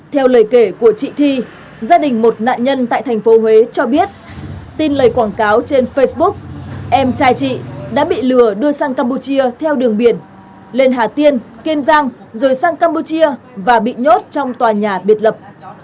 theo lời kể của chị thi gia đình một nạn nhân tại thành phố huế cho biết tin lời quảng cáo trên facebook em trai chị đã bị lừa đưa sang campuchia theo đường biển lên hà tiên kiên giang rồi sang campuchia và bị nhốt trong tòa nhà biệt lập